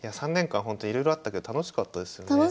３年間ほんといろいろあったけど楽しかったですよね。